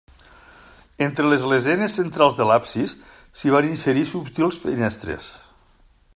Entre les lesenes centrals de l'absis s'hi van inserir subtils finestres.